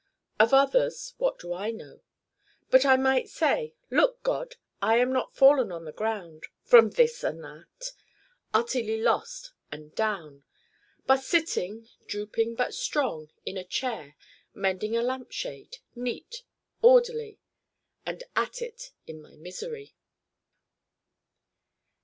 Of others what do I know? But I might say, 'Look, God, I am not fallen on the ground, from this and that utterly lost and down. But sitting, drooping but strong, in a chair, mending a lamp shade neat, orderly and at it in my misery.